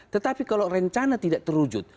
tetapi kalau rencana tidak terwujud